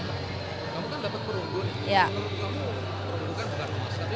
kamu kan dapat perundung perundungan bukan cuma satu